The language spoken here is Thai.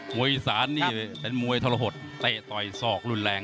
อีสานนี่เป็นมวยทรหดเตะต่อยศอกรุนแรง